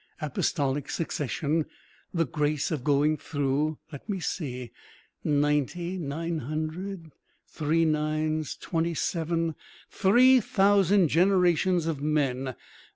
Apostolic succession. The grace of going through. Let me see! Ninety nine hundred three nines, twenty seven three thousand generations of men!